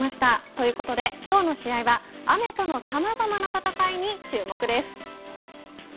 ということで今日の試合は雨とのさまざまな戦いに注目です。